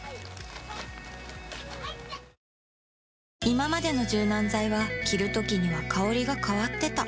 いままでの柔軟剤は着るときには香りが変わってた